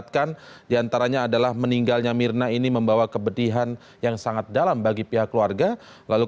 karena sudah cukup